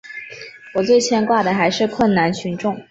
我最牵挂的还是困难群众。